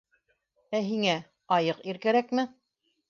Ә һиңә... айыҡ ир кәрәкме.